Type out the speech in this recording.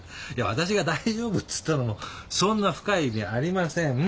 私が「大丈夫」っつったのもそんな深い意味ありません。